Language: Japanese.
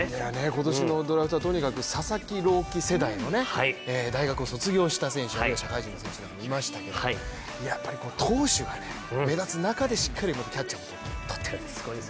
今年のドラフトはとにかく佐々木朗希世代の大学を卒業した選手、社会人の選手がいましたけどもやっぱり投手が目立つ中でしっかりキャッチャーも取っている。